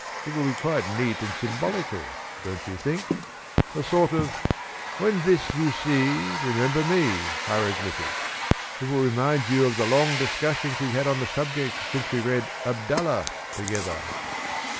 It will be quite neat and symbolical, don't you think? A sort of 'when this you see remember me' hieroglyphic. It will remind you of the long discussions we've had on the subject since we read 'Abdallah' together."